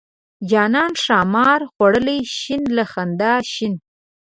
جانان ښامار خوړلی شین له خندا شینه.